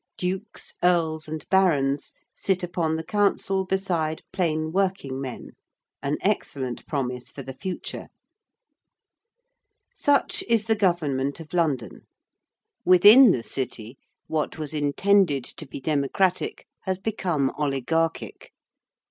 Dukes, Earls and Barons, sit upon the Council beside plain working men an excellent promise for the future. Such is the government of London. Within the City what was intended to be democratic has become oligarchic.